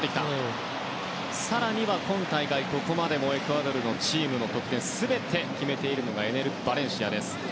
更には今大会ここまでもエクアドルのチーム得点を全て決めているのがエネル・バレンシアです。